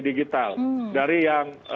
digital dari yang